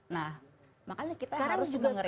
nah makanya kita harus juga ngeritik